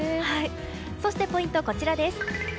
そして、ポイントはこちらです。